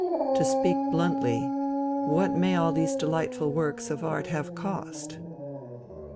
to speak bluntly, what may all these delightful works of art have cost?"